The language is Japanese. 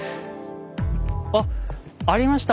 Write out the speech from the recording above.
あっありました